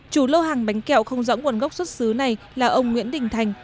chủ lô hàng bánh kẹo không rõ nguồn gốc xuất xứ này là ông nguyễn đình thành